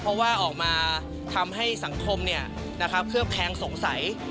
เพราะว่าออกมาทำให้สังคมเคลือบแคลงสงสัย